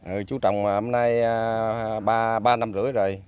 ừ chú trồng hôm nay ba năm rưỡi rồi